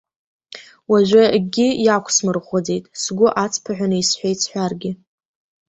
Уажәы акгьы иақәсмырӷәӷәаӡеит, сгәы ацԥыҳәаны исҳәеит сҳәаргьы.